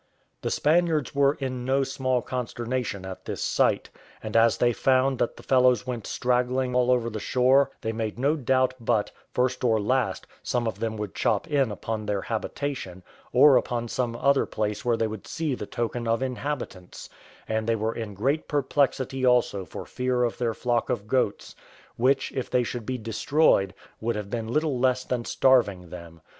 The Spaniards were in no small consternation at this sight; and, as they found that the fellows went straggling all over the shore, they made no doubt but, first or last, some of them would chop in upon their habitation, or upon some other place where they would see the token of inhabitants; and they were in great perplexity also for fear of their flock of goats, which, if they should be destroyed, would have been little less than starving them.